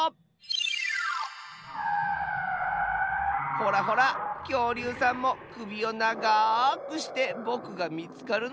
ほらほらきょうりゅうさんもくびをながくしてぼくがみつかるのをまってるッスよ。